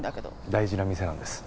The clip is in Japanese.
大事な店なんです。